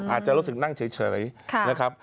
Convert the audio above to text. อาจจะรู้สึกนั่งเฉยนะครับ